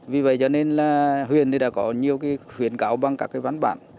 vì vậy cho nên là huyện thì đã có nhiều cái khuyến cáo bằng các cái ván bản